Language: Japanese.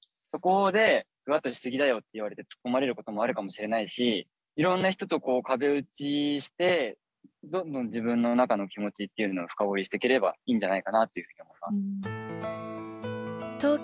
そこで「フワッとし過ぎだよ」って言われて突っ込まれることもあるかもしれないしいろんな人とこう壁打ちしてどんどん自分の中の気持ちっていうのを深掘りしていければいいんじゃないかなっていうふうに思います。